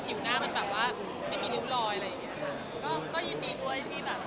ค่ะแล้วมันเต็มริม